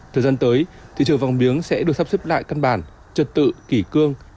thời gian tới thị trường vàng miếng sẽ được sắp xếp lại căn bản trật tự kỷ cương